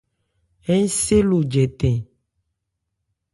Ń se lo jɛtɛn.